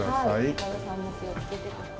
高田さんも気をつけてください。